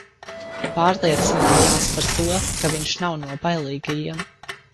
Pārliecinājās par to, ka viņš nav no bailīgajiem.